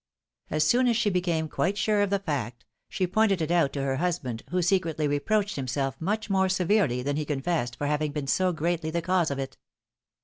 As soon as she became quite sure of the fact, she pointed it out to her husband, who secretly reproached himself much more severely than he confessed for having been so greatly the cause of it.